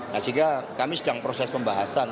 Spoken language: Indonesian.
nah sehingga kami sedang proses pembahasan